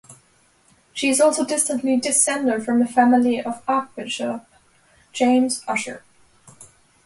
She is also distantly descended from the family of Archbishop James Ussher.